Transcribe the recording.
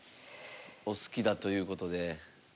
お好きだということで。